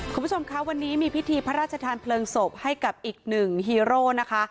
คุณผู้ชมคะวันนี้มีพิธีพระราชทานเพลิงศพให้กับอีกหนึ่งฮีโร่นะคะ